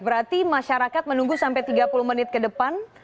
berarti masyarakat menunggu sampai tiga puluh menit ke depan